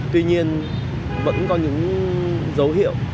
tuy nhiên vẫn có những dấu hiệu